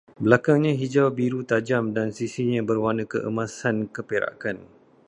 Belakangnya hijau-biru tajam, dan sisinya berwarna keemasan-keperakan